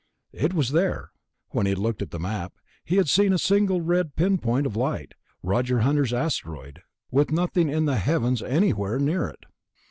It was there. When he had looked at the Map, he had seen a single red pinpoint of light, Roger Hunter's asteroid, with nothing in the heavens anywhere near it.